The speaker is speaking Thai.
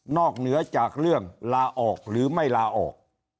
เหนือจากเรื่องลาออกหรือไม่ลาออก